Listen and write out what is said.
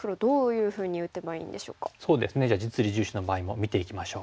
そうですねじゃあ実利重視の場合も見ていきましょう。